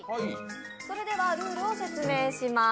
それではルールを説明します。